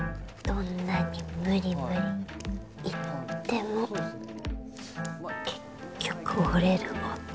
どんなに「無理無理」言っても結局折れる男。